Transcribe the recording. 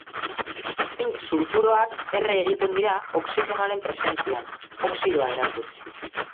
Zink sulfuroak erre egiten dira oxigenoaren presentzian, oxidoa eratuz.